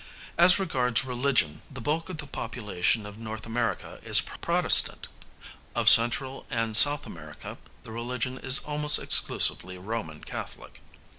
As regards religion, the bulk of the population of N. America is Protestant; of Central and S. America the religion is almost exclusively Roman Catholic.